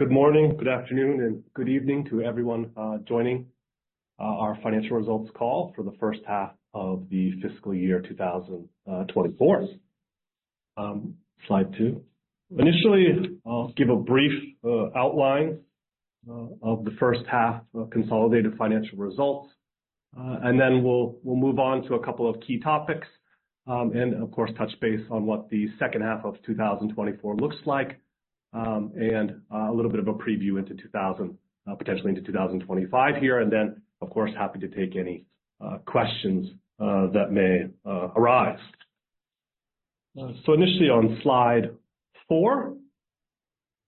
Good morning, good afternoon, and good evening to everyone joining our financial results call for the first half of the fiscal year 2024. Slide two. Initially, I'll give a brief outline of the first half of consolidated financial results, and then we'll move on to a couple of key topics. And of course, touch base on what the second half of 2024 looks like. And a little bit of a preview into 2024, potentially into 2025 here, and then, of course, happy to take any questions that may arise. So initially, on slide four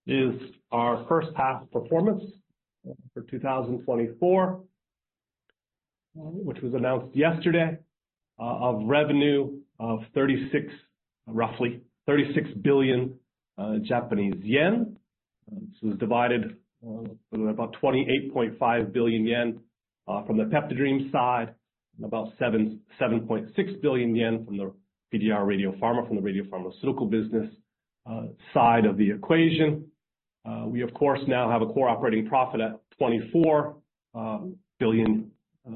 is our first half performance for 2024, which was announced yesterday, of revenue of 36, roughly 36 billion Japanese Yen. This was divided, about 28.5 billion yen, from the PeptiDream side, and about 7.6 billion yen from the PDRadiopharma, from the radiopharmaceutical business, side of the equation. We of course, now have a core operating profit at 24 billion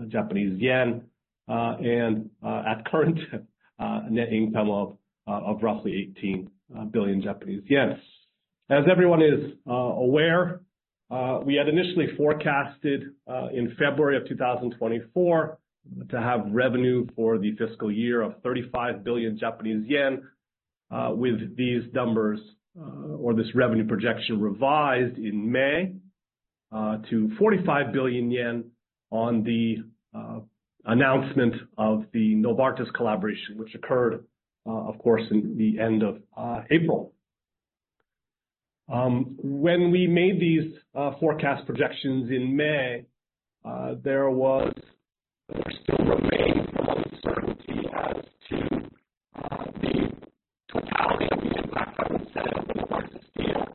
Japanese yen and at current, net income of roughly 18 billion Japanese yen. As everyone is aware, we had initially forecasted, in February of 2024, to have revenue for the fiscal year of 35 billion Japanese yen. With these numbers, or this revenue projection revised in May, to 45 billion yen on the announcement of the Novartis collaboration which occurred of course, in the end of April. When we made these forecast projections in May, there was or still remains a lot of uncertainty as to the totality of the impact from the Sanofi-Novartis deal. And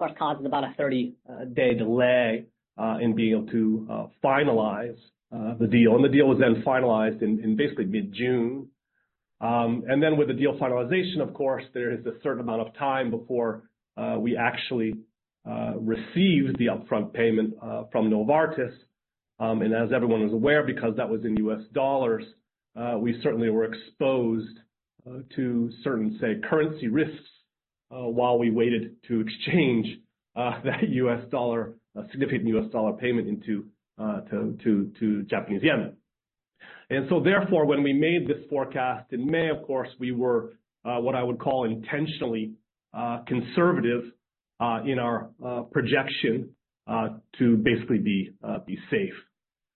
that while the upfront payment has been set at $180 million, we actually have to take the deal through the HSR review process at the FTC, which is something that has not been done before. And that usually, of course, causes about a 30-day delay in being able to finalize the deal. And the deal was then finalized in basically mid-June. And then with the deal finalization, of course, there is a certain amount of time before we actually receive the upfront payment from Novartis. And as everyone is aware, because that was in US dollars, we certainly were exposed to certain, say, currency risks while we waited to exchange that US dollar, a significant US dollar payment into Japanese yen. And so therefore, when we made this forecast in May, of course, we were what I would call intentionally conservative in our projection to basically be safe.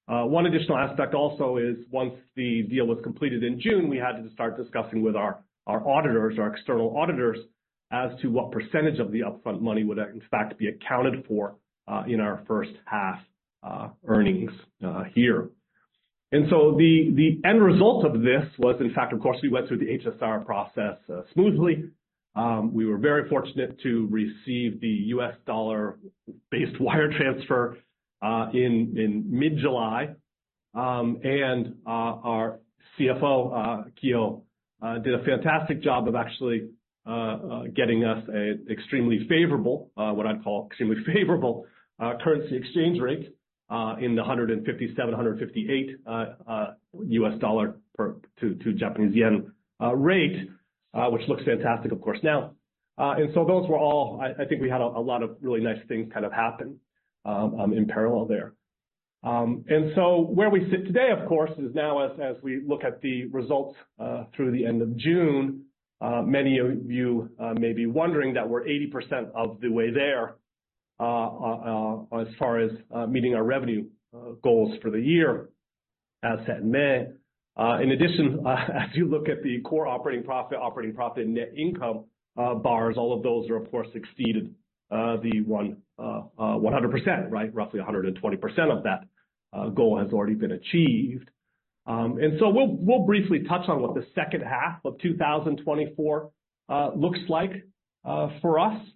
One additional aspect also is, once the deal was completed in June, we had to start discussing with our external auditors as to what percentage of the upfront money would in fact be accounted for in our first half earnings here. And so the end result of this was, in fact, of course, we went through the HSR process smoothly. We were very fortunate to receive the US dollar-based wire transfer in mid-July. Our CFO, Keel, did a fantastic job of actually getting us a extremely favorable, what I'd call extremely favorable, currency exchange rate in the 157-158 US dollar to Japanese Yen rate, which looks fantastic, of course, now. So those were all. I think we had a lot of really nice things kind of happen in parallel there. And so where we sit today, of course, is now as we look at the results through the end of June, many of you may be wondering that we're 80% of the way there, as far as meeting our revenue goals for the year, as set in May. In addition, as you look at the core operating profit, operating profit, and net income bars, all of those are, of course, exceeded the 100%, right? Roughly 120% of that goal has already been achieved. And so we'll briefly touch on what the second half of 2024 looks like for us.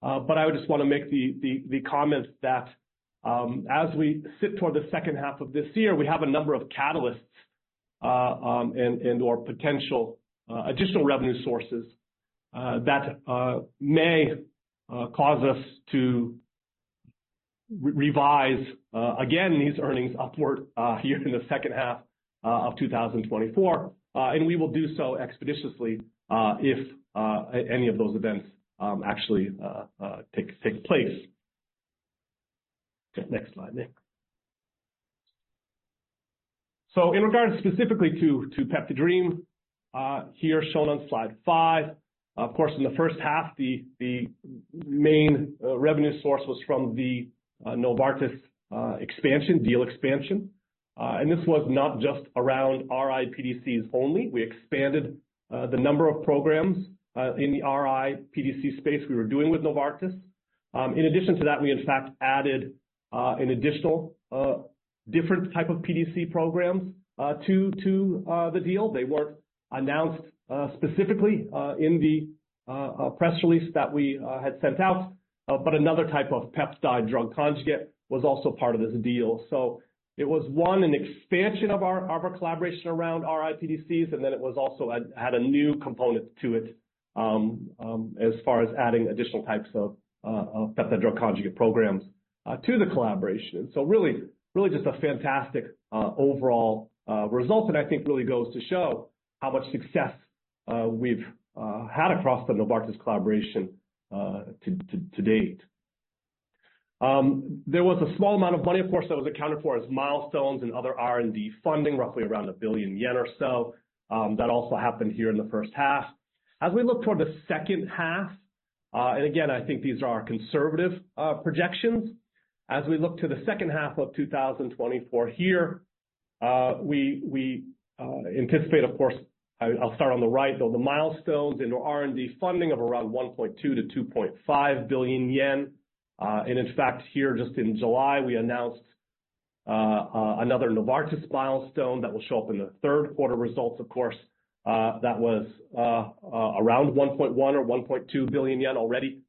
But I would just want to make the comment that, as we sit toward the second half of this year, we have a number of catalysts and/or potential additional revenue sources that may cause us to revise again these earnings upward here in the second half of 2024. And we will do so expeditiously if any of those events actually take place. Next slide, Nick. So in regards specifically to PeptiDream, here shown on slide five. Of course, in the first half, the main revenue source was from the Novartis expansion deal expansion. And this was not just around RI PDCs only. We expanded the number of programs in the RI PDC space we were doing with Novartis. In addition to that, we in fact added an additional different type of PDC programs to the deal. They weren't announced specifically in the press release that we had sent out. But another type of peptide drug conjugate was also part of this deal. So it was an expansion of our collaboration around our RI PDCs, and then it also had a new component to it as far as adding additional types of peptide drug conjugate programs to the collaboration. So really, really just a fantastic overall result that I think really goes to show how much success we've had across the Novartis collaboration to date. There was a small amount of money, of course, that was accounted for as milestones and other R&D funding, roughly around 1 billion yen or so, that also happened here in the first half. As we look toward the second half, and again, I think these are conservative projections. As we look to the second half of 2024 here, we anticipate, of course, I'll start on the right, though, the milestones in R&D funding of around 1.2 billion-2.5 billion yen. And in fact, here, just in July, we announced another Novartis milestone that will show up in the third quarter results, of course, that was around 1.1 or 1.2 billion yen already.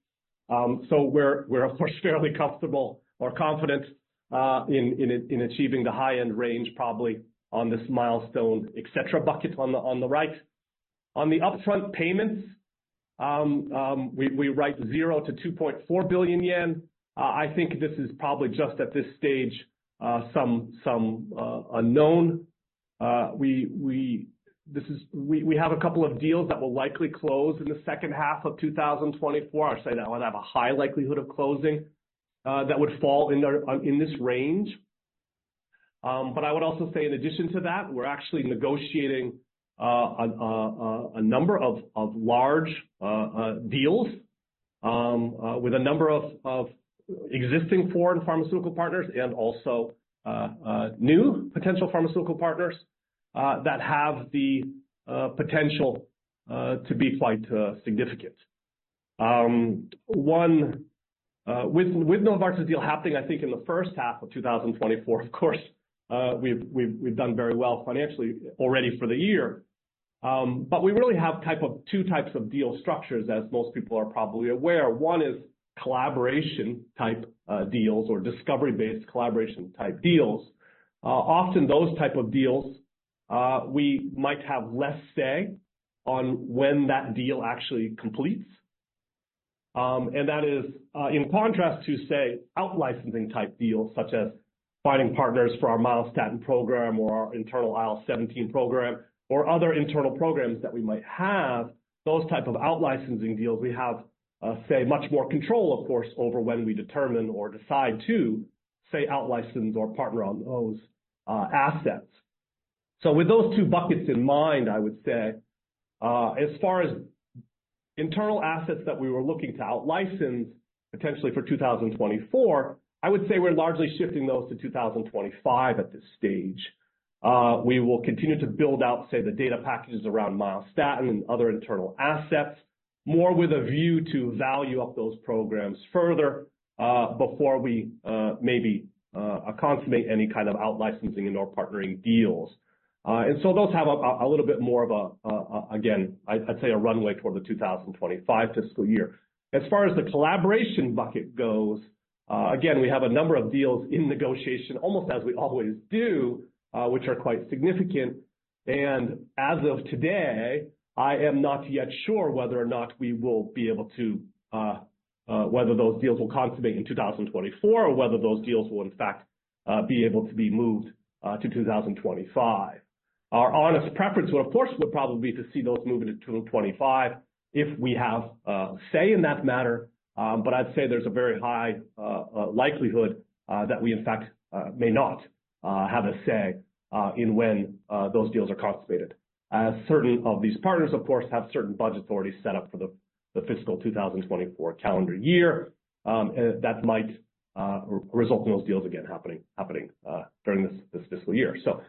So we're, of course, fairly comfortable or confident in achieving the high-end range, probably on this milestone, et cetera, bucket on the right. On the upfront payments, we write zero - 2.4 billion yen. I think this is probably just at this stage, some unknown. We have a couple of deals that will likely close in the second half of 2024. I'll say that would have a high likelihood of closing, that would fall in this range. But I would also say in addition to that, we're actually negotiating a number of large deals with a number of existing foreign pharmaceutical partners and also new potential pharmaceutical partners that have the potential to be quite significant. One with Novartis deal happening, I think in the first half of 2024, of course, we've done very well financially already for the year. But we really have two types of deal structures, as most people are probably aware. One is collaboration type deals or discovery-based collaboration type deals. Often those type of deals, we might have less say on when that deal actually completes. And that is, in contrast to, say, out-licensing type deals, such as finding partners for our myostatin program or our internal IL-17 program or other internal programs that we might have. Those type of out-licensing deals, we have, say, much more control, of course, over when we determine or decide to, say, out-license or partner on those, assets. So with those two buckets in mind, I would say, as far as internal assets that we were looking to out-license, potentially for 2024, I would say we're largely shifting those to 2025 at this stage. We will continue to build out, say, the data packages around myostatin and other internal assets, more with a view to value up those programs further, before we, maybe, consummate any kind of out-licensing and/or partnering deals. And so those have a little bit more of a, again, I'd say a runway toward the 2025 fiscal year. As far as the collaboration bucket goes, again, we have a number of deals in negotiation, almost as we always do, which are quite significant. And as of today, I am not yet sure whether or not we will be able to, whether those deals will consummate in 2024 or whether those deals will in fact, be able to be moved, to 2025. Our honest preference, of course, would probably be to see those moving to 2025 if we have say in that matter, but I'd say there's a very high likelihood that we in fact may not have a say in when those deals are consummated. Certain of these partners, of course, have certain budgets already set up for the fiscal 2024 calendar year, and that might result in those deals again happening during this fiscal year. So,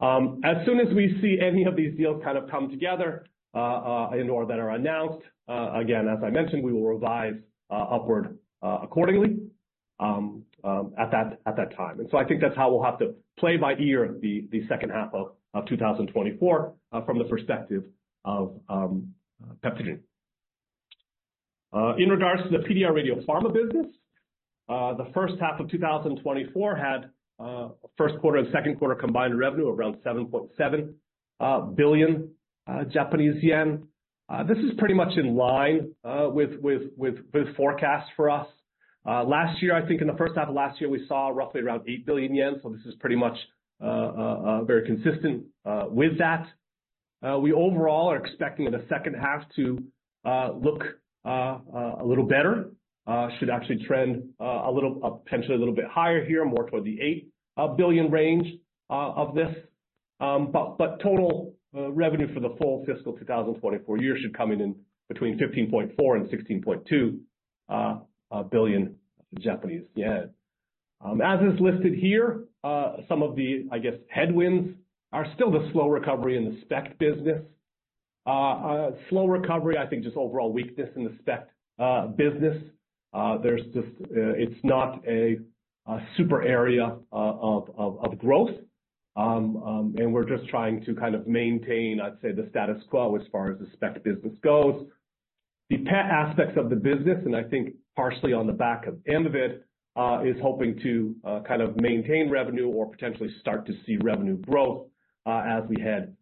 as soon as we see any of these deals kind of come together and/or that are announced, again, as I mentioned, we will revise upward accordingly at that time. I think that's how we'll have to play by ear the second half of 2024, from the perspective of PeptiDream. In regards to the PDRadiopharma business, the first half of 2024 had first quarter and second quarter combined revenue around 7.7 billion Japanese yen. This is pretty much in line with forecasts for us. Last year, I think in the first half of last year, we saw roughly around 8 billion yen, so this is pretty much very consistent with that. We overall are expecting in the second half to look a little better, should actually trend a little potentially a little bit higher here, more toward the 8 billion range of this. But total revenue for the full fiscal 2024 year should come in between 15.4 billion and 16.2 billion Japanese yen. As is listed here, some of the, I guess, headwinds are still the slow recovery in the spec business. Slow recovery, I think just overall weakness in the spec business. There's just, it's not a super area of growth. And we're just trying to kind of maintain, I'd say, the status quo as far as the spec business goes. The PET aspects of the business, and I think partially on the back of AMYViD, is hoping to kind of maintain revenue or potentially start to see revenue growth, as we head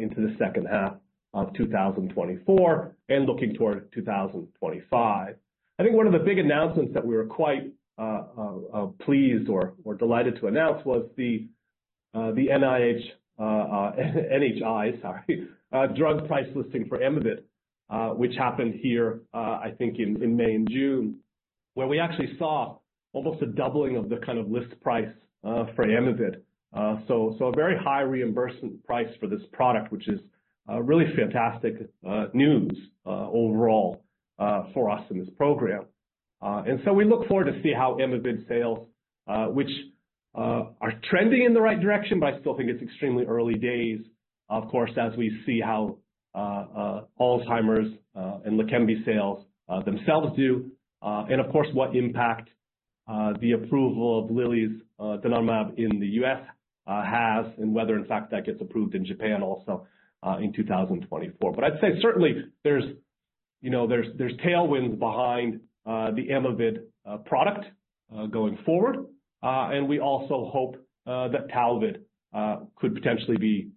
into the second half of 2024, and looking toward 2025. I think one of the big announcements that we were quite pleased or delighted to announce was the NHI drug price listing for AMYViD, which happened here, I think in May and June, where we actually saw almost a doubling of the kind of list price for AMYViD. So a very high reimbursement price for this product, which is really fantastic news overall for us in this program. And so we look forward to see how AMYViD sales, which, are trending in the right direction, but I still think it's extremely early days, of course, as we see how, Alzheimer's, and Leqembi sales, themselves do, and of course, what impact, the approval of Lilly's, donanemab in the U.S., has, and whether in fact that gets approved in Japan also, in 2024. But I'd say certainly there's, you know, there's, there's tailwinds behind, the AMYViD, product, going forward. And we also hope, that Tauvid, could potentially be,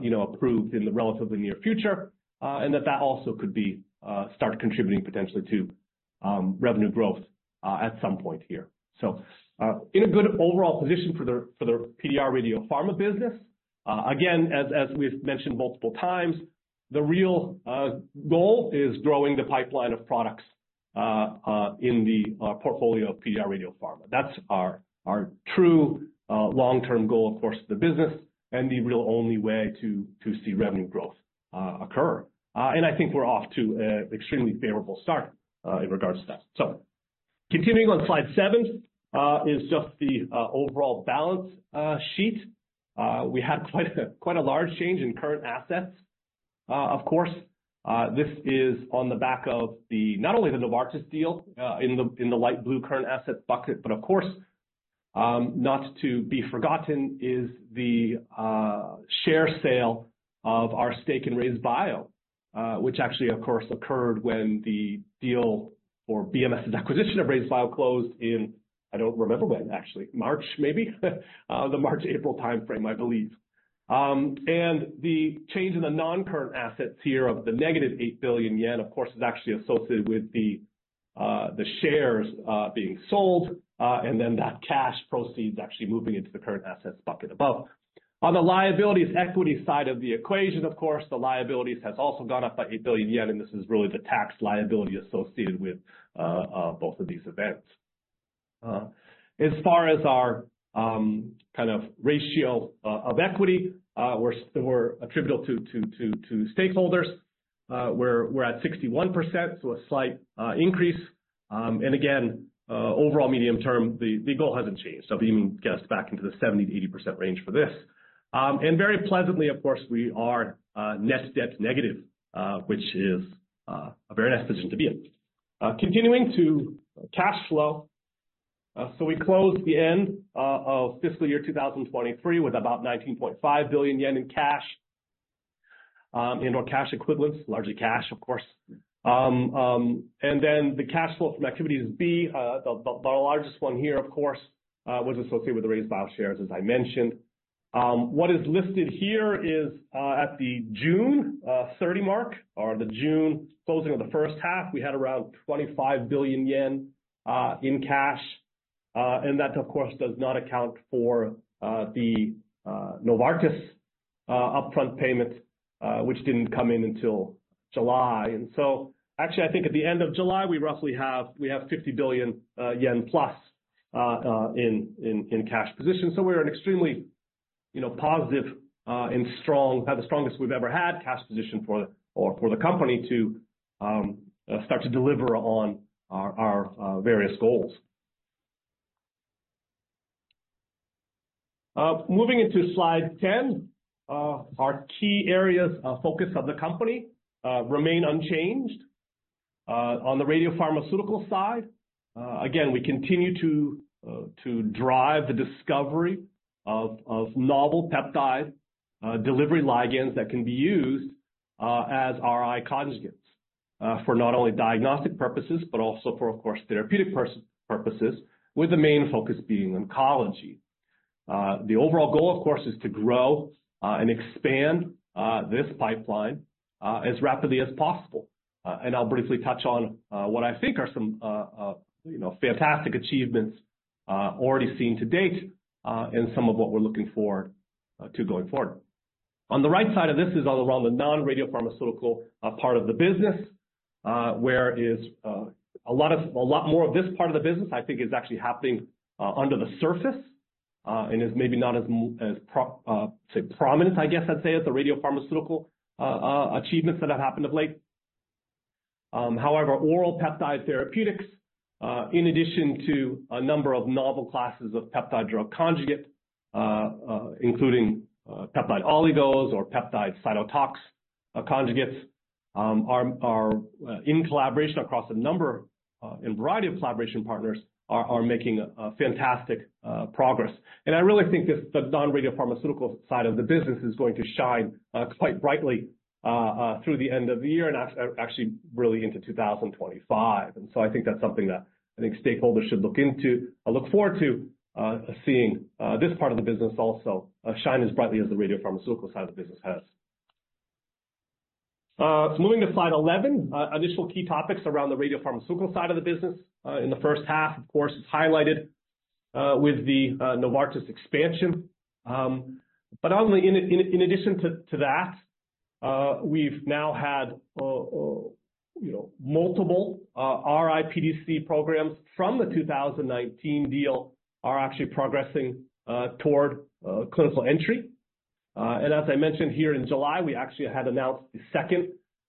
you know, approved in the relatively near future, and that that also could be, start contributing potentially to, revenue growth, at some point here. So, in a good overall position for the, for the PDRadiopharma business. Again, as we've mentioned multiple times, the real goal is growing the pipeline of products in the portfolio of PDRadiopharma. That's our true long-term goal, of course, the business and the real only way to see revenue growth occur. And I think we're off to a extremely favorable start in regards to that. So continuing on slide seven is just the overall balance sheet. We had quite a large change in current assets. Of course, this is on the back of the not only the Novartis deal, in the, in the light blue current asset bucket, but of course, not to be forgotten is the, share sale of our stake in Raise Bio, which actually, of course, occurred when the deal for BMS's acquisition of Raise Bio closed in, I don't remember when, actually. March, maybe? The March, April timeframe, I believe. And the change in the non-current assets here of the -8 billion yen, of course, is actually associated with the, the shares, being sold, and then that cash proceeds actually moving into the current assets bucket above. On the liabilities equity side of the equation, of course, the liabilities has also gone up by 8 billion yen, and this is really the tax liability associated with, both of these events. As far as our kind of ratio of equity, we're still attributable to stakeholders, we're at 61%, so a slight increase. And again, overall medium term, the goal hasn't changed. So if you can get us back into the 70%-80% range for this. And very pleasantly, of course, we are net debt negative, which is a very nice position to be in. Continuing to cash flow. So we closed the end of fiscal year 2023 with about 19.5 billion yen in cash, and or cash equivalents, largely cash, of course. And then the cash flow from activities B, the largest one here, of course, was associated with the RayzeBio shares, as I mentioned. What is listed here is, at the June 30 mark, or the June closing of the first half, we had around 25 billion yen in cash. And that, of course, does not account for the Novartis upfront payment, which didn't come in until July. And so actually, I think at the end of July, we roughly have, we have 50 billion yen plus in cash position. So we're an extremely, you know, positive, and strong, the strongest we've ever had cash position for the company to start to deliver on our various goals. Moving into slide 10, our key areas of focus of the company remain unchanged. On the radiopharmaceutical side, again, we continue to drive the discovery of novel peptide delivery ligands that can be used as RI conjugates for not only diagnostic purposes, but also for, of course, therapeutic purposes, with the main focus being oncology. The overall goal, of course, is to grow and expand this pipeline as rapidly as possible. And I'll briefly touch on what I think are some, you know, fantastic achievements already seen to date, and some of what we're looking for to going forward. On the right side of this is all around the non-radiopharmaceutical part of the business, where a lot more of this part of the business, I think, is actually happening under the surface, and is maybe not as prominent, say, I guess I'd say, as the radiopharmaceutical achievements that have happened of late. However, oral peptide therapeutics, in addition to a number of novel classes of peptide drug conjugate, including peptide oligos or peptide cytotox conjugates, are in collaboration across a number and variety of collaboration partners, are making fantastic progress. And I really think this, the non-radiopharmaceutical side of the business is going to shine quite brightly through the end of the year and actually really into 2025. And so I think that's something that I think stakeholders should look into. I look forward to seeing this part of the business also shine as brightly as the radiopharmaceutical side of the business has. So moving to slide 11. Additional key topics around the radiopharmaceutical side of the business in the first half, of course, is highlighted with the Novartis expansion. But in addition to that, we've now had, you know, multiple RIPDC programs from the 2019 deal are actually progressing toward clinical entry. and as I mentioned here in July, we actually had announced the second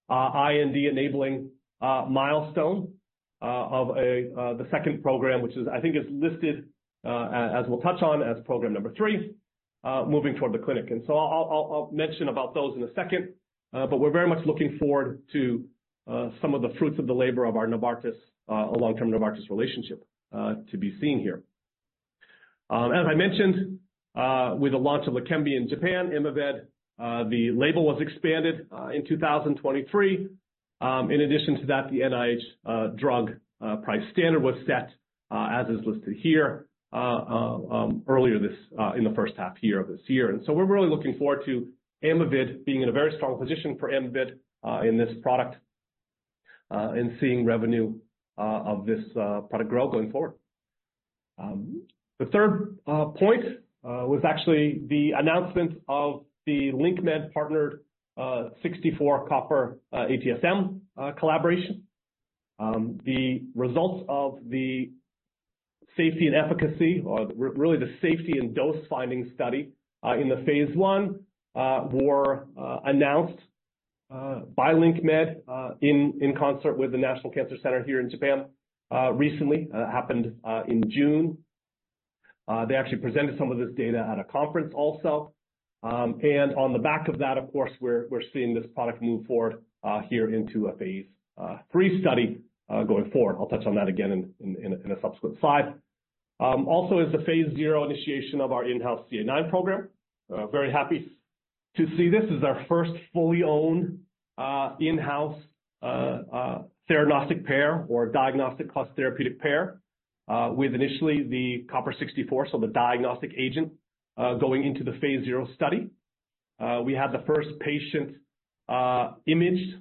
IND-enabling milestone of the second program, which is, I think, is listed, as we'll touch on, as program number three, moving toward the clinic. And so I'll mention about those in a second. But we're very much looking forward to some of the fruits of the labor of our Novartis, our long-term Novartis relationship, to be seen here. As I mentioned, with the launch of Leqembi in Japan, AMYViD, the label was expanded in 2023. In addition to that, the NHI drug price standard was set, as is listed here, earlier this in the first half year of this year. We're really looking forward to AMYViD being in a very strong position for AMYViD in this product, and seeing revenue of this product grow going forward. The third point was actually the announcement of the LinqMed partnership, 64Cu-ATSM collaboration. The results of the safety and efficacy, or really the safety and dose-finding study, in the phase one, were announced by LinqMed in concert with the National Cancer Center here in Japan recently. Happened in June. They actually presented some of this data at a conference also. And on the back of that, of course, we're seeing this product move forward here into a phase three study going forward. I'll touch on that again in a subsequent slide. Also, is the phase zero initiation of our in-house CA9 program. Very happy to see this. This is our first fully owned, in-house, theranostic pair or diagnostic plus therapeutic pair, with initially the copper 64, so the diagnostic agent, going into the phase zero study. We had the first patient, imaged,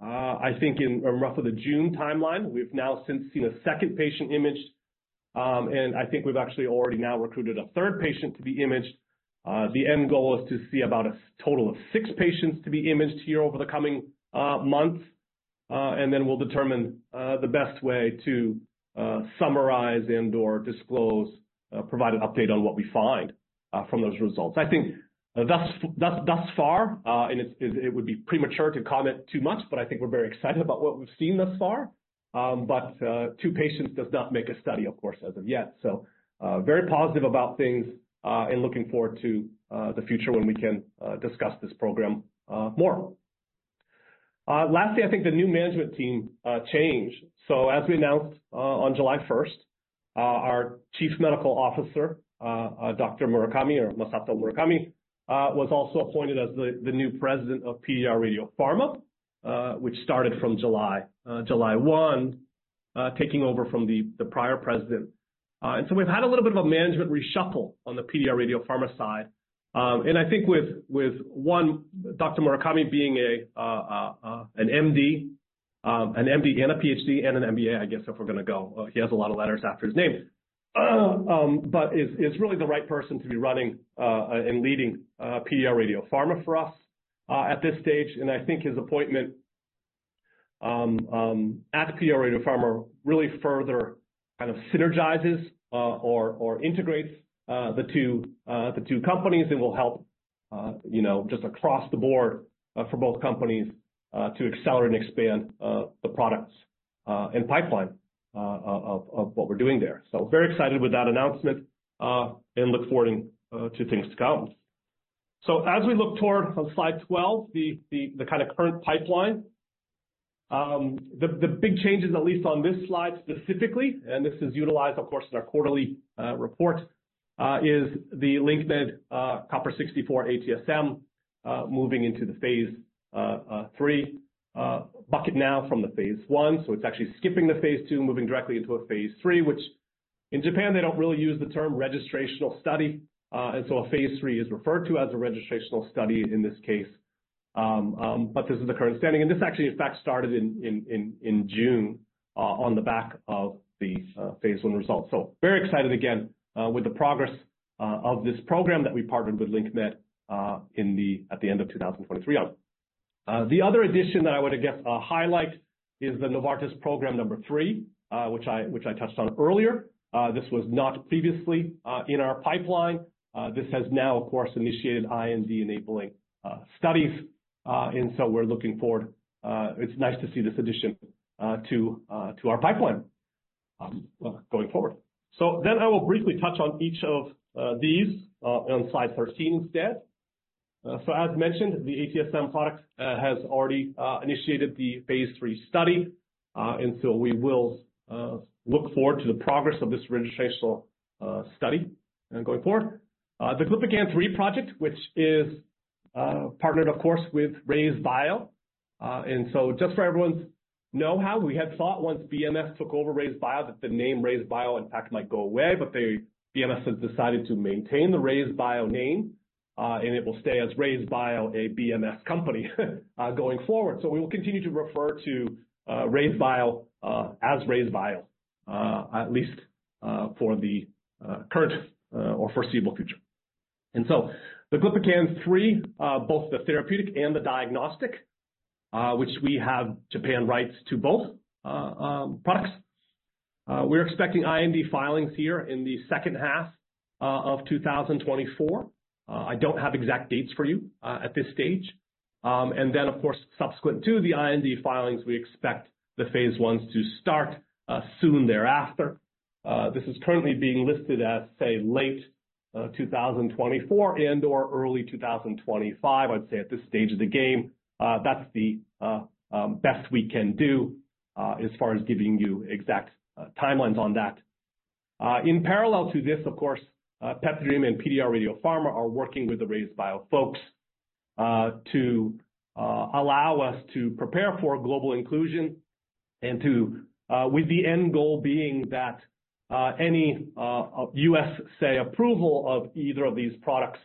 I think in roughly the June timeline. We've now since seen a second patient imaged, and I think we've actually already now recruited a third patient to be imaged. The end goal is to see about a total of six patients to be imaged here over the coming, months. And then we'll determine, the best way to, summarize and/or disclose, provide an update on what we find, from those results. I think thus far, and it would be premature to comment too much, but I think we're very excited about what we've seen thus far. But two patients does not make a study, of course, as of yet. So very positive about things, and looking forward to the future when we can discuss this program more. Lastly, I think the new management team changed. So as we announced on July first, our Chief Medical Officer, Dr. Murakami, or Masato Murakami, was also appointed as the new president of PDRadiopharma, which started from July 1, taking over from the prior president. And so we've had a little bit of a management reshuffle on the PDRadiopharma side. And I think with one, Dr. Murakami being an MD and a PhD and an MBA, I guess, if we're going to go, he has a lot of letters after his name. But is really the right person to be running, and leading, PDRadiopharma for us, at this stage. And I think his appointment, at PDRadiopharma, really further kind of synergizes, or, or integrates, the two companies and will help, you know, just across the board, for both companies, to accelerate and expand, the products, and pipeline, of what we're doing there. So very excited with that announcement, and look forward, to things to come. So as we look toward slide 12, the kind of current pipeline, the big changes, at least on this slide specifically, and this is utilized, of course, in our quarterly report, is the LinqMed copper 64 ATSM moving into the phase III bucket now from the phase I. So it's actually skipping the phase II, moving directly into a phase III, which in Japan, they don't really use the term registrational study. And so a phase III is referred to as a registrational study in this case. But this is the current standing, and this actually, in fact, started in June on the back of the phase I results. So very excited again with the progress of this program that we partnered with LinqMed in the at the end of 2023. The other addition that I would, I guess, highlight is the Novartis program number three, which I touched on earlier. This was not previously in our pipeline. This has now, of course, initiated IND-enabling studies, and so we're looking forward. It's nice to see this addition to our pipeline going forward. So then I will briefly touch on each of these on slide 13 instead. So as mentioned, the ATSM product has already initiated the phase III study, and so we will look forward to the progress of this registrational study going forward. The Glypican-3 project, which is partnered, of course, with RayzeBio. And so just for everyone's know-how, we had thought once BMS took over RayzeBio, that the name RayzeBio, in fact, might go away, but BMS has decided to maintain the RayzeBio name, and it will stay as RayzeBio, a BMS company, going forward. So we will continue to refer to RayzeBio as RayzeBio, at least for the current or foreseeable future. And so the Glypican-3, both the therapeutic and the diagnostic, which we have Japan rights to both products. We're expecting IND filings here in the second half of 2024. I don't have exact dates for you at this stage. And then, of course, subsequent to the IND filings, we expect the phase I's to start soon thereafter. This is currently being listed as, say, late 2024 and/or early 2025. I'd say at this stage of the game, that's the best we can do as far as giving you exact timelines on that. In parallel to this, of course, PeptiDream and PDRadiopharma are working with the RayzeBio folks to allow us to prepare for global inclusion and to. With the end goal being that any U.S., say, approval of either of these products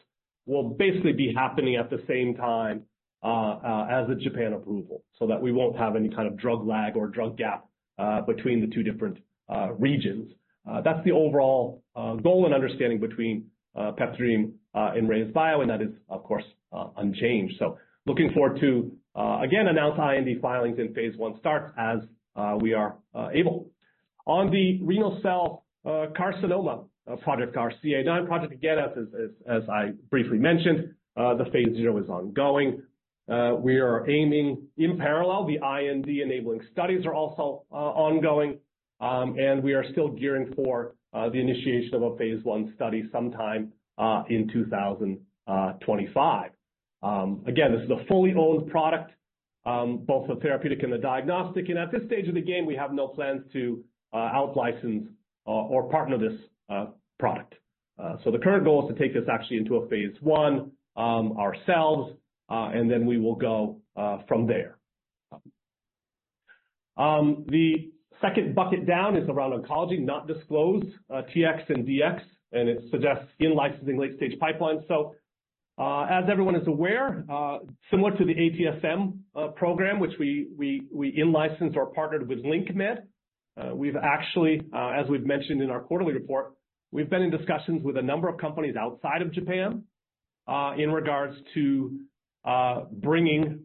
will basically be happening at the same time as the Japan approval, so that we won't have any kind of drug lag or drug gap between the two different regions. That's the overall goal and understanding between PeptiDream and RayzeBio, and that is, of course, unchanged. So looking forward to again announce IND filings in phase I starts as we are able. On the renal cell carcinoma project, our CA9 project, again, as I briefly mentioned, the phase zero is ongoing. We are aiming in parallel. The IND-enabling studies are also ongoing, and we are still gearing for the initiation of a phase I study sometime in 2025. Again, this is a fully owned product, both the therapeutic and the diagnostic, and at this stage of the game, we have no plans to out-license or partner this product. So the current goal is to take this actually into a phase I, ourselves, and then we will go from there. The second bucket down is around oncology, not disclosed, TX and DX, and it suggests in-licensing late-stage pipeline. So, as everyone is aware, similar to the ATSM program, which we in-licensed or partnered with LinqMed. We've actually, as we've mentioned in our quarterly report, we've been in discussions with a number of companies outside of Japan, in regards to bringing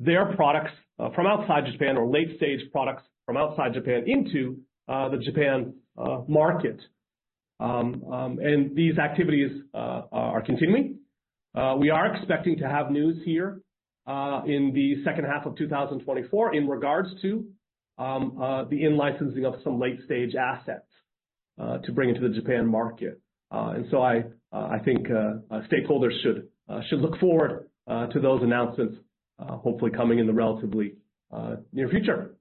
their products from outside Japan, or late-stage products from outside Japan into the Japan market. And these activities are continuing. We are expecting to have news here in the second half of 2024 in regards to the in-licensing of some late-stage assets to bring into the Japan market. And so I think stakeholders should look forward to those announcements hopefully coming in the relatively near future.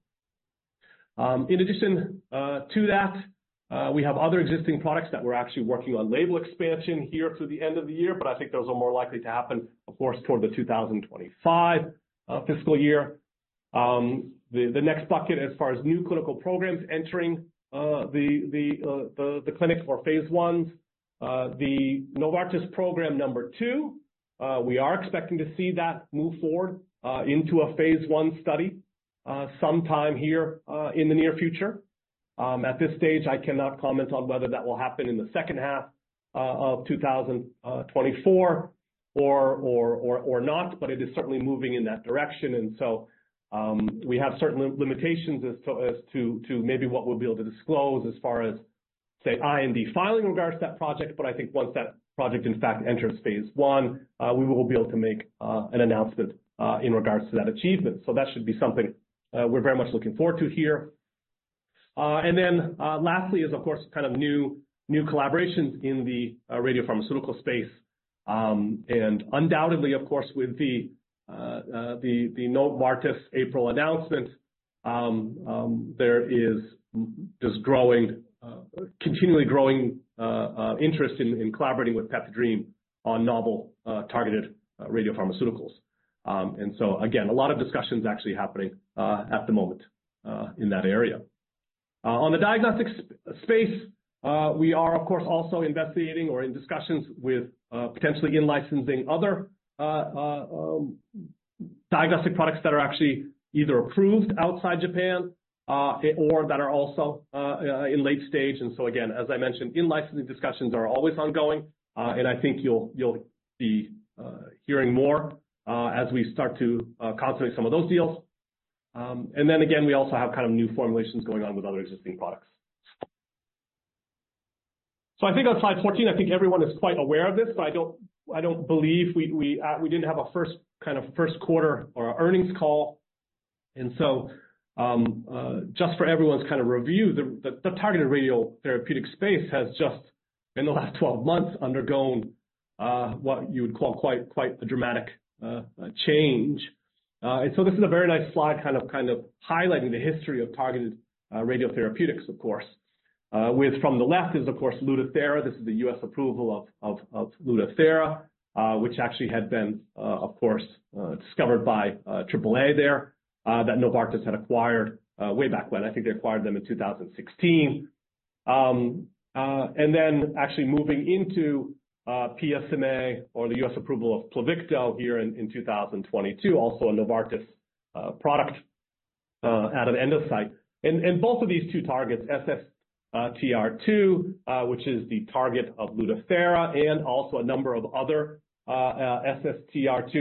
In addition to that, we have other existing products that we're actually working on label expansion here through the end of the year, but I think those are more likely to happen, of course, toward the 2025 fiscal year. The next bucket as far as new clinical programs entering the clinic for phase I's, the Novartis program number two, we are expecting to see that move forward into a phase I study sometime here in the near future. At this stage, I cannot comment on whether that will happen in the second half of 2024 or not, but it is certainly moving in that direction. So, we have certain limitations as to what we'll be able to disclose as far as, say, IND filing in regards to that project. But I think once that project in fact enters phase I, we will be able to make an announcement in regards to that achievement. So that should be something, we're very much looking forward to here. And then, lastly is of course, kind of new collaborations in the radiopharmaceutical space. And undoubtedly, of course, with the Novartis April announcement, there is just growing, continually growing, interest in collaborating with PeptiDream on novel, targeted, radiopharmaceuticals. And so again, a lot of discussions actually happening, at the moment, in that area. On the diagnostic space, we are of course, also investigating or in discussions with, potentially in-licensing other, diagnostic products that are actually either approved outside Japan, or that are also, in late stage. And so again, as I mentioned, in-licensing discussions are always ongoing, and I think you'll be hearing more as we start to consummate some of those deals. And then again, we also have kind of new formulations going on with other existing products. So I think on slide 14, I think everyone is quite aware of this, so I don't believe we didn't have a first kind of first quarter or earnings call. And so, just for everyone's kind of review, the targeted radiotherapeutic space has just, in the last 12 months, undergone what you would call quite a dramatic change. And so this is a very nice slide, kind of highlighting the history of targeted radiotherapeutics, of course. With from the left is, of course, Lutathera. This is the U.S. approval of Lutathera, which actually had been, of course, discovered by Triple A there, that Novartis had acquired way back when. I think they acquired them in 2016. And then actually moving into PSMA or the U.S. approval of Pluvicto here in 2022, also a Novartis product at Endocyte. And both of these two targets, SSTR2, which is the target of Lutathera and also a number of other SSTR2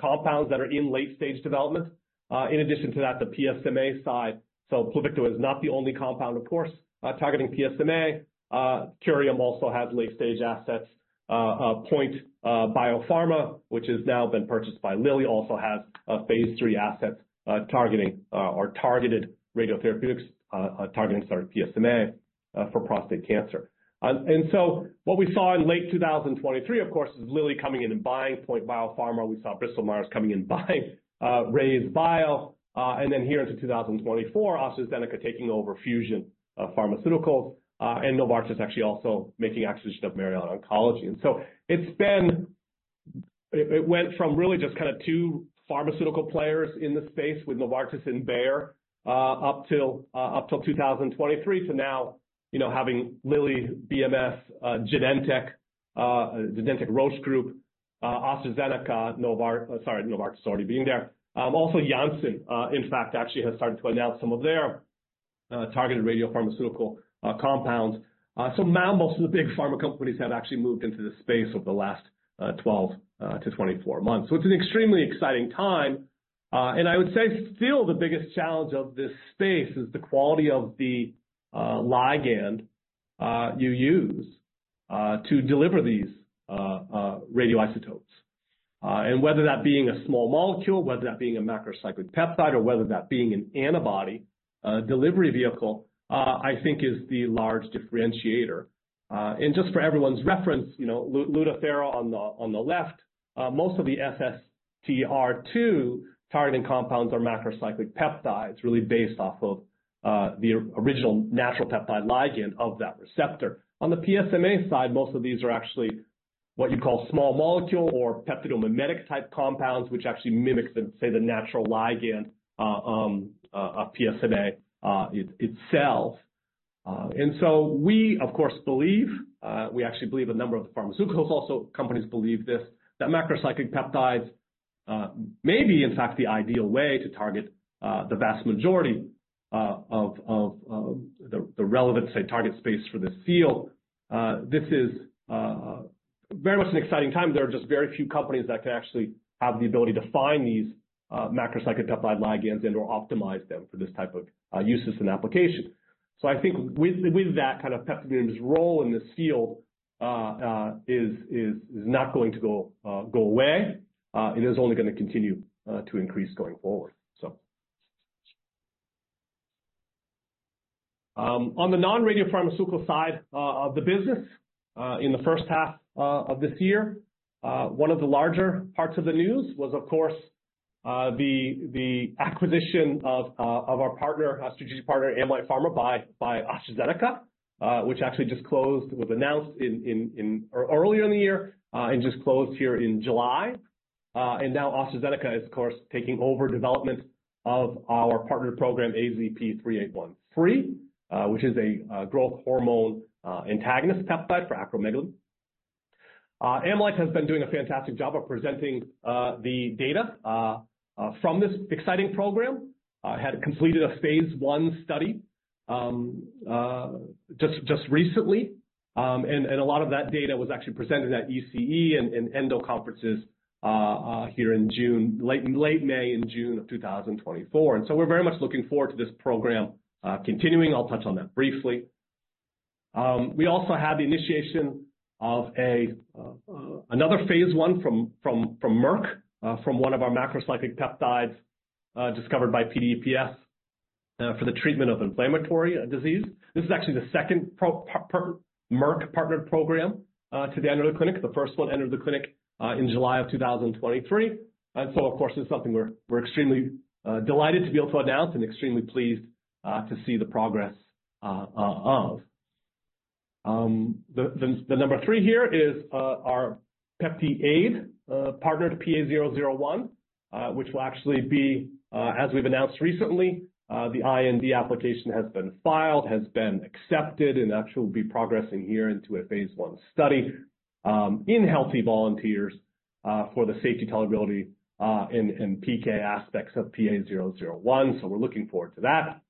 compounds that are in late-stage development. In addition to that, the PSMA side. So Pluvicto is not the only compound, of course, targeting PSMA. Curium also has late-stage assets. Point Biopharma, which has now been purchased by Lilly, also has phase III assets targeting or targeted radiotherapeutics targeting PSMA for prostate cancer. And so what we saw in late 2023, of course, is Lilly coming in and buying Point Biopharma. We saw Bristol Myers coming in and buying RayzeBio, and then here into 2024, AstraZeneca taking over Fusion Pharmaceuticals, and Novartis actually also making acquisition of Mariana Oncology. And so it's been. It went from really just kind of two pharmaceutical players in the space with Novartis and Bayer up till up till 2023 to now, you know, having Lilly, BMS, Genentech, Genentech Roche Group, AstraZeneca, Novartis already being there. Also Janssen, in fact, actually has started to announce some of their targeted radiopharmaceutical compounds. So now most of the big pharma companies have actually moved into this space over the last 12 to 24 months. So it's an extremely exciting time, and I would say still the biggest challenge of this space is the quality of the ligand you use to deliver these radioisotopes. And whether that being a small molecule, whether that being a macrocyclic peptide, or whether that being an antibody delivery vehicle, I think is the large differentiator. And just for everyone's reference, you know, Lutathera on the left, most of the SSTR2 targeting compounds are macrocyclic peptides, really based off of the original natural peptide ligand of that receptor. On the PSMA side, most of these are actually what you call small molecule or peptide mimetic-type compounds, which actually mimic the, say, the natural ligand of PSMA itself. And so we, of course, believe we actually believe a number of the pharmaceuticals also companies believe this, that macrocyclic peptides may be, in fact, the ideal way to target the vast majority of the relevant, say, target space for this field. This is very much an exciting time. There are just very few companies that can actually have the ability to find these macrocyclic peptide ligands and/or optimize them for this type of uses and application. So I think with that, kind of PeptiDream's role in this field is not going to go away, it is only gonna continue to increase going forward, so. On the non-radiopharmaceutical side of the business, in the first half of this year, one of the larger parts of the news was, of course, the acquisition of our partner, strategic partner, Amolyt Pharma, by AstraZeneca, which actually just closed, was announced earlier in the year, and just closed here in July. And now AstraZeneca is, of course, taking over development of our partner program, AZP-3813, which is a growth hormone antagonist peptide for acromegaly. Amolyt has been doing a fantastic job of presenting the data from this exciting program, had completed a phase one study just recently. And a lot of that data was actually presented at ECE and Endo conferences here in late May and June of 2024. And so we're very much looking forward to this program continuing. I'll touch on that briefly. We also had the initiation of another phase one from Merck from one of our macrocyclic peptides discovered by PDPS for the treatment of inflammatory disease. This is actually the second Merck partner program to enter the clinic. The first one entered the clinic in July of 2023. So of course, this is something we're extremely delighted to be able to announce and extremely pleased to see the progress of. The number three here is our PeptiAID partnered PA-001, which will actually be, as we've announced recently, the IND application has been filed, has been accepted and actually will be progressing here into a phase one study in healthy volunteers for the safety, tolerability, and PK aspects of PA-001. So we're looking forward to that.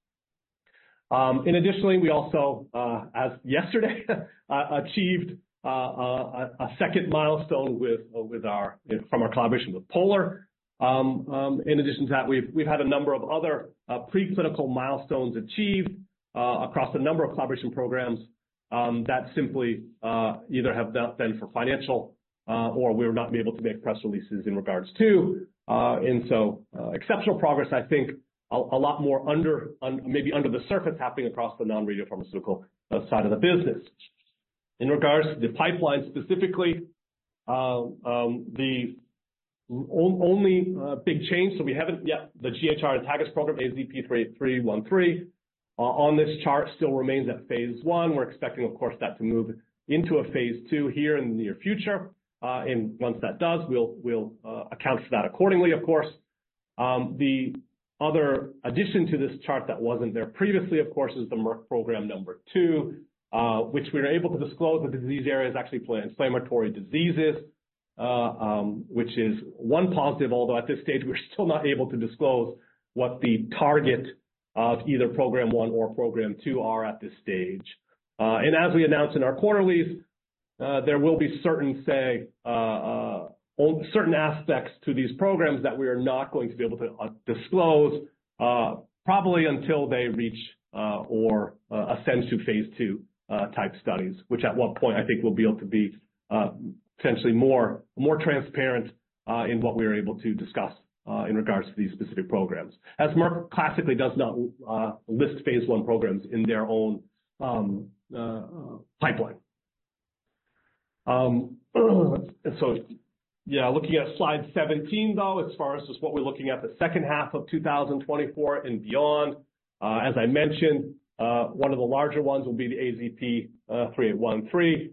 And additionally, we also as yesterday achieved a second milestone with our. From our collaboration with Polar. In addition to that, we've had a number of other preclinical milestones achieved across a number of collaboration programs that simply either have not been for financial or we're not able to make press releases in regards to. So, exceptional progress, I think. A lot more under, maybe under the surface happening across the non-radiopharmaceutical side of the business. In regards to the pipeline, specifically, the only big change, so we haven't yet, the GHR antagonist program, AZP-3813, on this chart, still remains at phase I. We're expecting, of course, that to move into a phase II here in the near future. Once that does, we'll account for that accordingly, of course. The other addition to this chart that wasn't there previously, of course, is the Merck program number two, which we're able to disclose the disease area is actually for inflammatory diseases, which is one positive, although at this stage, we're still not able to disclose what the target of either program one or program two are at this stage. And as we announced in our quarterlies, there will be certain aspects to these programs that we are not going to be able to disclose, probably until they reach or ascend to phase II type studies, which at what point I think we'll be able to be potentially more transparent in what we are able to discuss in regards to these specific programs. As Merck classically does not list phase I programs in their own pipeline. So, yeah, looking at slide 17, though, as far as just what we're looking at the second half of 2024 and beyond, as I mentioned, one of the larger ones will be the AZP-3813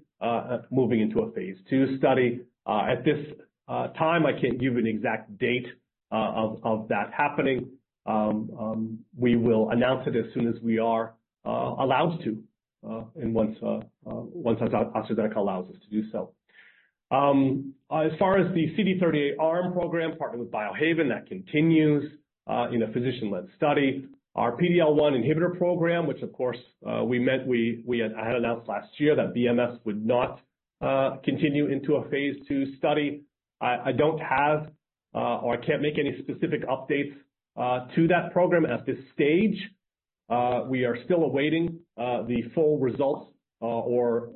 moving into a phase II study. At this time, I can't give you an exact date of that happening. We will announce it as soon as we are allowed to and once AstraZeneca allows us to do so. As far as the CD38-ARM program, partnered with Biohaven, that continues in a physician-led study. Our PD-L1 inhibitor program, which of course, we had announced last year that BMS would not continue into a phase II study. I don't have or I can't make any specific updates to that program at this stage. We are still awaiting the full results or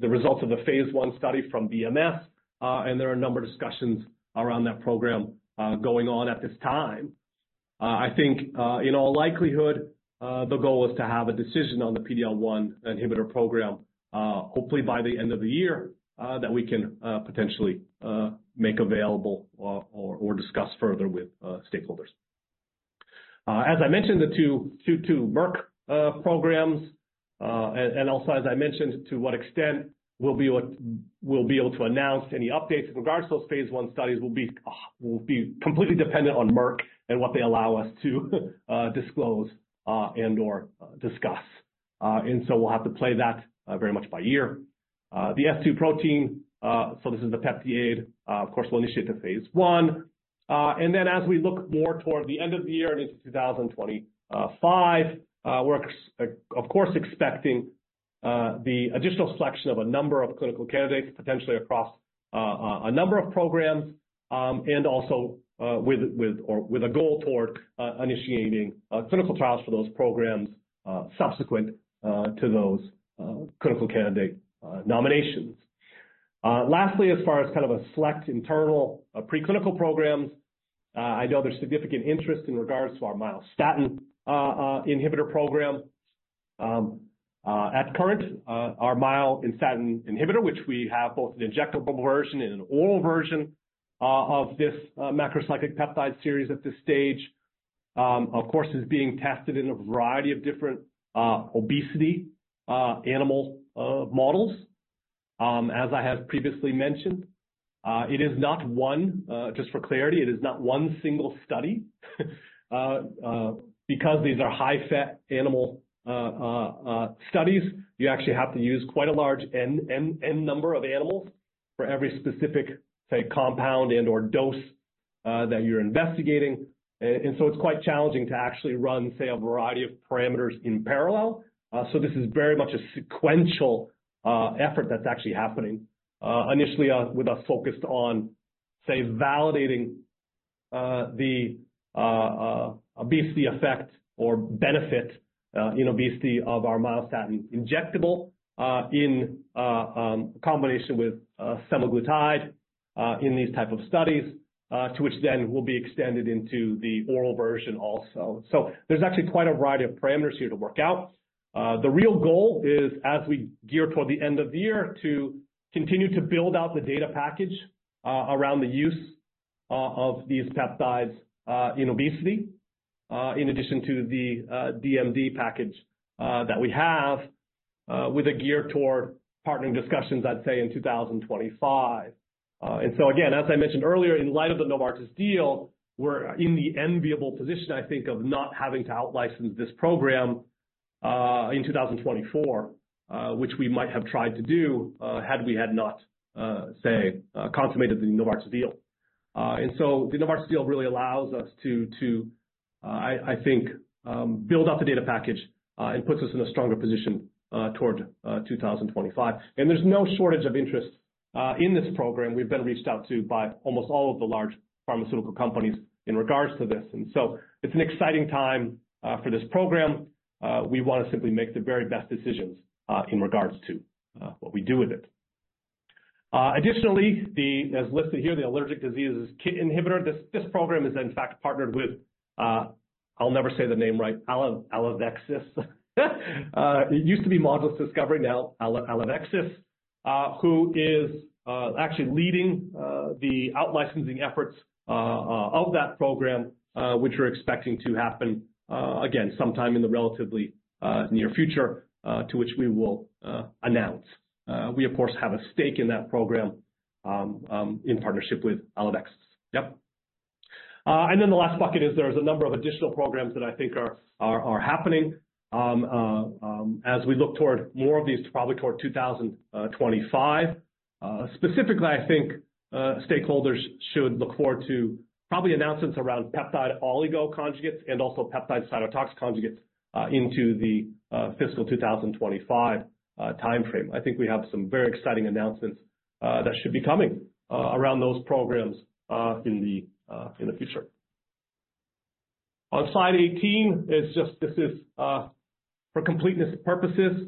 the results of the phase I study from BMS, and there are a number of discussions around that program going on at this time. I think, in all likelihood, the goal is to have a decision on the PD-L1 inhibitor program, hopefully by the end of the year, that we can potentially make available or discuss further with stakeholders. As I mentioned, the two Merck programs, and also, as I mentioned, to what extent we'll be able to announce any updates in regards to those phase I studies will be completely dependent on Merck and what they allow us to disclose and/or discuss. And so we'll have to play that very much by ear. The S2 protein, so this is the peptide. Of course, we'll initiate the phase I. And then as we look more toward the end of the year and into 2025, we're expecting the additional selection of a number of clinical candidates, potentially across a number of programs, and also with a goal toward initiating clinical trials for those programs subsequent to those clinical candidate nominations. Lastly, as far as kind of a select internal preclinical programs, I know there's significant interest in regards to our myostatin inhibitor program. At current, our myostatin inhibitor, which we have both an injectable version and an oral version of this macrocyclic peptide series at this stage, of course, is being tested in a variety of different obesity animal models. As I have previously mentioned, just for clarity, it is not one single study. Because these are high-fat animal studies, you actually have to use quite a large n number of animals for every specific, say, compound and/or dose that you're investigating. And so it's quite challenging to actually run, say, a variety of parameters in parallel. So this is very much a sequential effort that's actually happening initially with us focused on, say, validating the obesity effect or benefit in obesity of our myostatin injectable in combination with semaglutide in these type of studies, to which then will be extended into the oral version also. So there's actually quite a variety of parameters here to work out. The real goal is, as we gear toward the end of the year, to continue to build out the data package, around the use, of these peptides, in obesity, in addition to the, DMD package, that we have, with a gear toward partnering discussions, I'd say, in 2025. And so again, as I mentioned earlier, in light of the Novartis deal, we're in the enviable position, I think, of not having to outlicense this program, in 2024, which we might have tried to do, had we had not, say, consummated the Novartis deal. And so the Novartis deal really allows us to, I think, build out the data package, and puts us in a stronger position, toward, 2025. There's no shortage of interest in this program. We've been reached out to by almost all of the large pharmaceutical companies in regards to this. So it's an exciting time for this program. We want to simply make the very best decisions in regards to what we do with it. Additionally, as listed here, the allergic diseases inhibitor. This, this program is in fact partnered with, I'll never say the name right, Alivexis. It used to be Modulus Discovery, now Alivexis, who is actually leading the out-licensing efforts of that program, which we're expecting to happen again, sometime in the relatively near future, to which we will announce. We, of course, have a stake in that program in partnership with Alivexis. Yep. And then the last bucket is there's a number of additional programs that I think are happening, as we look toward more of these, probably toward 2025. Specifically, I think, stakeholders should look forward to probably announcements around peptide oligo conjugates and also peptide cytotoxin conjugates, into the fiscal 2025 time frame. I think we have some very exciting announcements, that should be coming, around those programs, in the future. On slide 18, this is just for completeness purposes,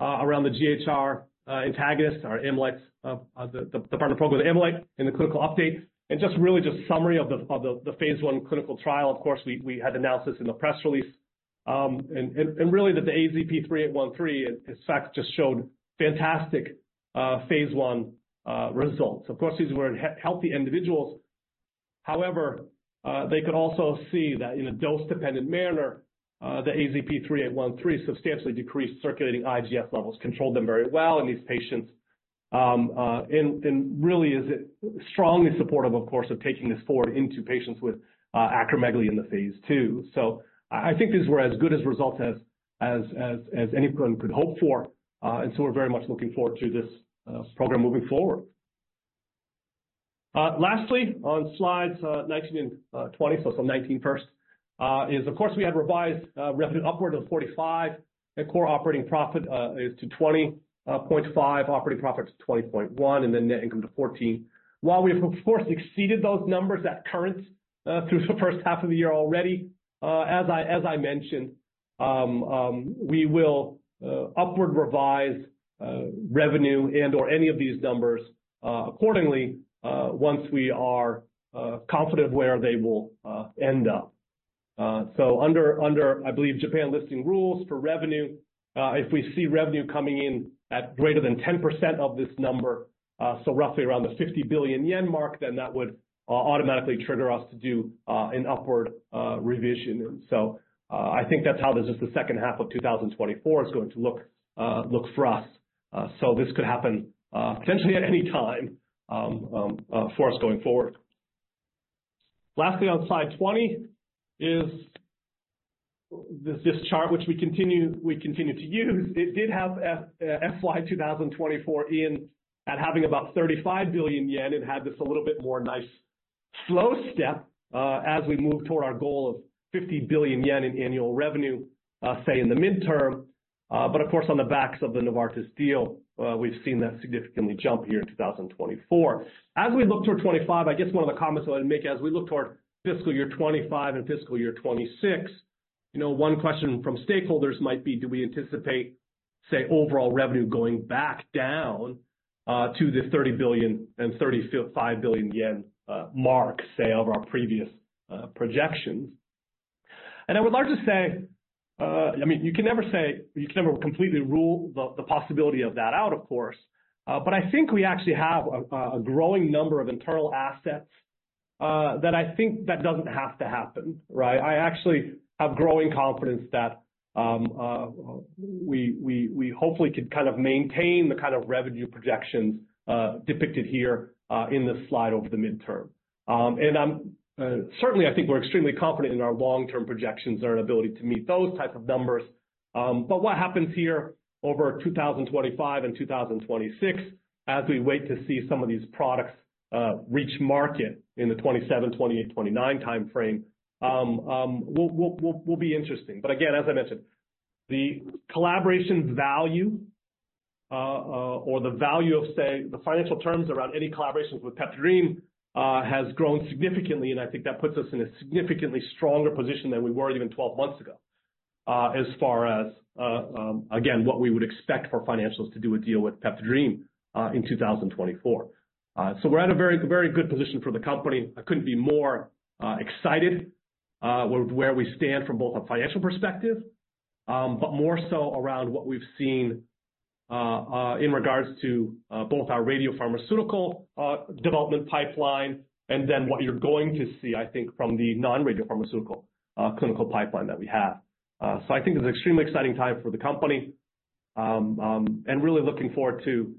around the GHR antagonist, our Amolyt's, the partner program with Amolyt in the clinical update, and just really just summary of the phase I clinical trial. Of course, we had announced this in the press release. Really, that the AZP-3813, in fact, just showed fantastic phase one results. Of course, these were healthy individuals. However, they could also see that in a dose-dependent manner, the AZP-3813 substantially decreased circulating IGF levels, controlled them very well in these patients, and really is strongly supportive, of course, of taking this forward into patients with acromegaly in the phase two. So I think these were as good as results as anyone could hope for, and so we're very much looking forward to this program moving forward. Lastly, on slides 19 and 20, so 19 first, is, of course, we had revised revenue upward of 45 billion, and core operating profit is to 20.5 billion, operating profit to 20.1 billion, and then net income to 14 billion. While we've of course exceeded those numbers at current through the first half of the year already, as I mentioned, we will upward revise revenue and or any of these numbers accordingly once we are confident where they will end up. So under, I believe, Japan listing rules for revenue, if we see revenue coming in at greater than 10% of this number, so roughly around the 50 billion yen mark, then that would automatically trigger us to do an upward revision. So, I think that's how the second half of 2024 is going to look for us. So this could happen potentially at any time for us going forward. Lastly, on slide 20 is this, this chart, which we continue, we continue to use. It did have FY 2024 in at having about 35 billion yen and had this a little bit more nice slow step as we move toward our goal of 50 billion yen in annual revenue, say in the midterm. But of course, on the backs of the Novartis deal, we've seen that significantly jump here in 2024. As we look toward 2025, I guess one of the comments I want to make as we look toward fiscal year 2025 and fiscal year 2026, you know, one question from stakeholders might be, do we anticipate, say, overall revenue going back down to the 30 billion-35 billion yen mark, say, over our previous projections? And I would like to say, I mean, you can never say... you can never completely rule the possibility of that out, of course, but I think we actually have a growing number of internal assets that I think that doesn't have to happen, right? I actually have growing confidence that we hopefully could kind of maintain the kind of revenue projections depicted here in this slide over the midterm. And I'm certainly, I think we're extremely confident in our long-term projections and our ability to meet those types of numbers. But what happens here over 2025 and 2026, as we wait to see some of these products reach market in the 2027, 2028, 2029 time frame, will be interesting. But again, as I mentioned, the collaboration value or the value of, say, the financial terms around any collaborations with PeptiDream has grown significantly, and I think that puts us in a significantly stronger position than we were even 12 months ago, as far as, again, what we would expect for financials to do a deal with PeptiDream in 2024. So we're at a very, very good position for the company. I couldn't be more excited with where we stand from both a financial perspective, but more so around what we've seen in regards to both our radiopharmaceutical development pipeline and then what you're going to see, I think, from the non-radiopharmaceutical clinical pipeline that we have. So I think it's an extremely exciting time for the company, and really looking forward to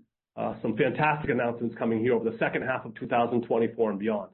some fantastic announcements coming here over the second half of 2024 and beyond.